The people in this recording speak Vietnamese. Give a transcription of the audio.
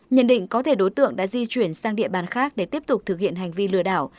nhận định có thể đối tượng đã di chuyển sang địa bàn khác để tiếp tục thực hiện hành vi lừa đảo